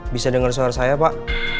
bisa dengar suara saya pak